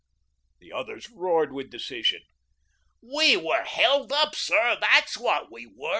The others roared with derision. "We were HELD UP, sir, that's what we were.